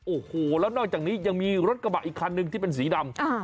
โอ้โหแล้วนอกจากนี้ยังมีรถกระบะอีกคันหนึ่งที่เป็นสีดำ